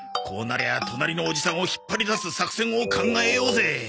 こうなりゃ隣のおじさんを引っ張り出す作戦を考えようぜ。